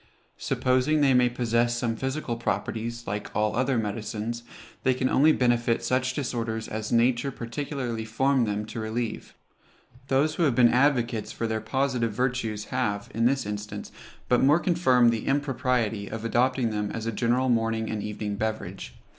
Supposing they may possess some physical properties, like all other medicines, they can only benefit such disorders as nature particularly formed them to relieve. Those who have been advocates for their positive virtues have, in this instance, but more confirmed the impropriety of adopting them as a general morning and evening beverage.